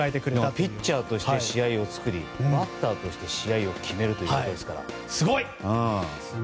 ピッチャーとして試合を作りバッターとして試合を決めるということですから。